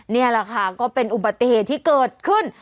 นี่แหละค่ะก็เป็นอุบัติเหตุที่เกิดขึ้น